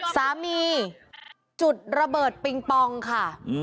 จุดระเบิดปิงปองค่ะ